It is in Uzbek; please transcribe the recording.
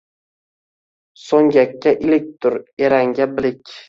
So’ngakka ilikdur, eranga bilik